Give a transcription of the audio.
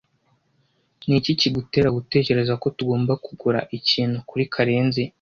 Niki kigutera gutekereza ko tugomba kugura ikintu kuri Karenzi ?